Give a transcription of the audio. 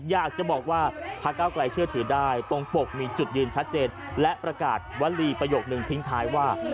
อยากจะบอกว่าพระเก้าไกลเชื่อถือได้ตรงปกมีจุดยืนชัดเจนและประกาศวลีประโยคนึงทิ้งท้ายว่า